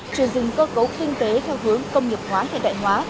truyền dịch cơ cấu kinh tế theo hướng công nghiệp hóa hệ đại hóa